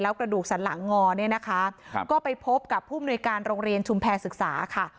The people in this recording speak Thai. กระดูกสันหลังงอเนี่ยนะคะก็ไปพบกับผู้มนุยการโรงเรียนชุมแพรศึกษาค่ะ